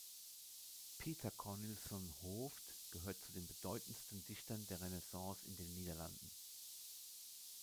Pieter Corneliszoon Hooft gehört zu den bedeutendsten Dichtern der Renaissance in den Niederlanden.